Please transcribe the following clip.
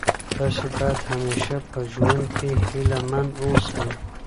تاسي باید همېشه په ژوند کي هیله من اوسئ.